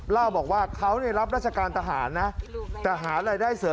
เล่าบอกว่าเขานี่รับราชการทหารนะทหารอะไรได้เสริม